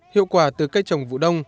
hiệu quả từ cây trồng vụ đông